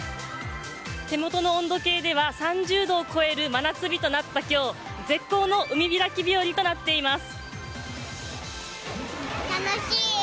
手元の温度計では３０度を超える真夏日となった今日絶好の海開き日和となっています。